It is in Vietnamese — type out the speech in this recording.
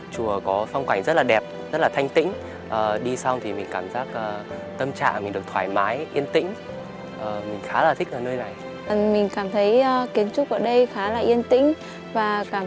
của không ít người khi mong muốn tìm đến những nơi an yên và tĩnh lặng